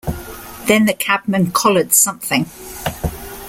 Then the cabman collared something.